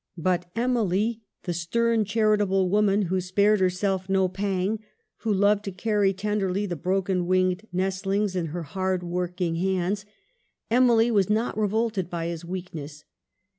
But Emily, the stern, charitable woman, who spared herself no pang, who loved to carry tenderly the broken winged nestlings in her hard working 1 George Searle Phillips. I9 6 EMILY BRONTE. hands, Emily was not revolted by his weakness.